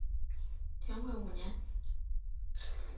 天会五年历成。